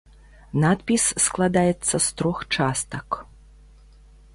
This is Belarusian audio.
Надпіс складаецца з трох частак.